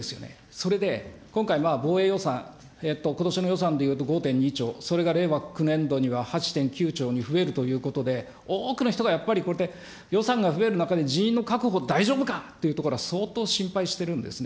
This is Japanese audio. それで、今回、防衛予算、ことしの予算で言うと、５．２兆、それが令和９年度には８．９兆に増えるということで多くの人がやっぱり、これで予算が増える中で人員の確保、大丈夫かというところは、相当心配してるんですね。